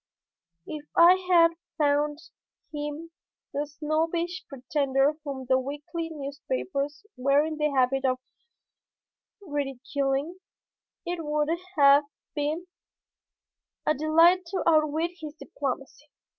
If I had found him the snobbish pretender whom the weekly newspapers were in the habit of ridiculing, it would have been a delight to outwit his diplomacy.